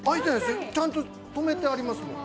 ちゃんと止めてありますもん。